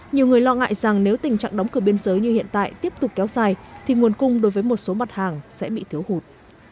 nhiều người lo ngại rằng nếu tình trạng đóng cửa biên giới như hiện tại tiếp tục kéo dài thì nguồn cung đối với một số mặt hàng sẽ bị thiếu hụt